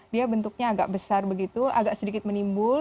dia bentuknya agak besar begitu agak sedikit menimbulkan